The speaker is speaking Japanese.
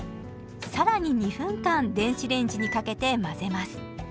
更に２分間電子レンジにかけて混ぜます。